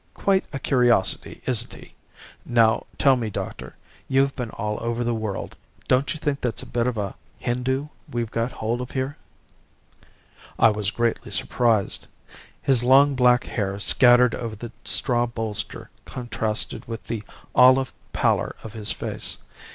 Quite a curiosity, isn't he? Now tell me, doctor you've been all over the world don't you think that's a bit of a Hindoo we've got hold of here.' "I was greatly surprised. His long black hair scattered over the straw bolster contrasted with the olive pallor of his face.